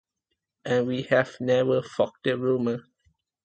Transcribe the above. And we have never fought the rumours.